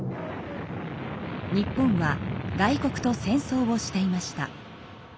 日本は外国と戦争をしていました。